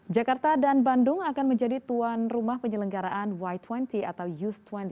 jakarta dan bandung akan menjadi tuan rumah penyelenggaraan y dua puluh atau u dua puluh